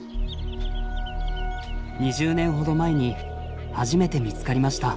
２０年ほど前に初めて見つかりました。